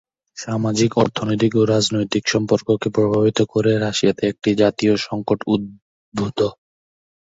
সামাজিক, অর্থনৈতিক ও রাজনৈতিক সম্পর্ককে প্রভাবিত করে রাশিয়াতে একটি জাতীয় সংকট উদ্ভূত।